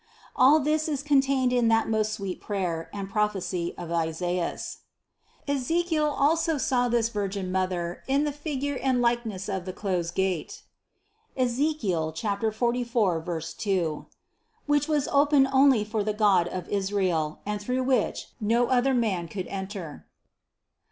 All this is contained in that most sweet prayer and prophecy of Isaias. 163. Ezekiel also saw this Virgin Mother in the fig ure and likeness of the closed gate (Ezekiel 44, 2), which was open only for the God of Israel and through which no other man could enter.